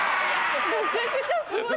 めちゃくちゃすごい。